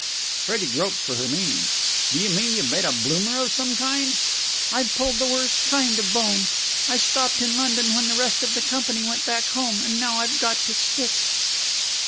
Freddie groped for her meaning. "Do you mean you've made a bloomer of some kind?" "I pulled the worst kind of bone. I stopped on in London when the rest of the company went back home, and now I've got to stick."